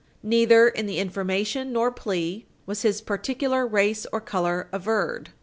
Neither in the information nor plea was his particular race or color averred.